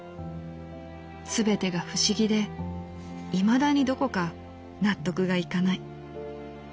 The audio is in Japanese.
すべてが不思議でいまだにどこか納得がいかない」。